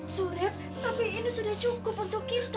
sulit tapi ini sudah cukup untuk kita